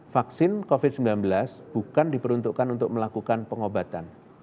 vaksin covid sembilan belas bukan diperuntukkan untuk melakukan pengobatan